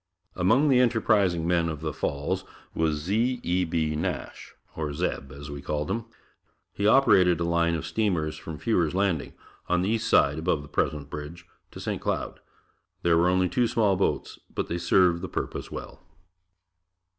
Among the enterprising men of the Falls was Z. E. B. Nash, or "Zeb" as we called him. He operated a line of steamers from Fewer's Landing, on the East Side above the present bridge, to St. Cloud. There were only two small boats, but they served the purpose well.